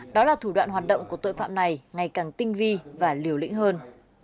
đó là thủ đoạn hoạt động của tội phạm này ngày càng tinh vi và liều lĩnh hơn